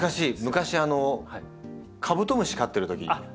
昔あのカブトムシ飼っているときに。